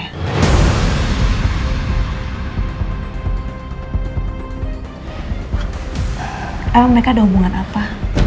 emang mereka ada hubungan apa